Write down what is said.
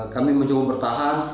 kami mencoba bertahan